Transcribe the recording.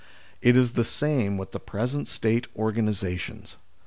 It is the same with the present State organisations.